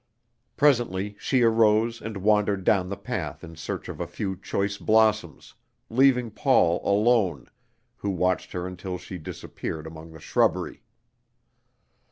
Presently she arose and wandered down the path in search of a few choice blossoms, leaving Paul alone, who watched her until she disappeared among the shrubbery.